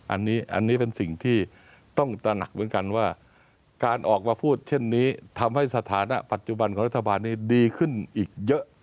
อันนี้เป็นสิ่งที่ต้องตระหนักเหมือนกันว่าการออกมาพูดเช่นนี้ทำให้สถานะปัจจุบันของรัฐบาลนี้ดีขึ้นอีกเยอะ